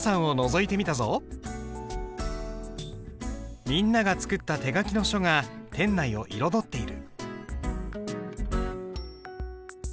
みんなが作った手書きの書が店内を彩っている。